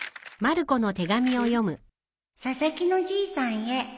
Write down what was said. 「佐々木のじいさんへ」